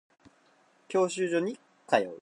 教習所に通う